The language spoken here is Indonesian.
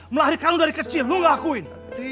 melahirkan lu dari kecil lu nggak akuin